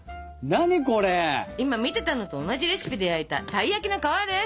今見ていたのと同じレシピで焼いたたい焼きの「皮」です。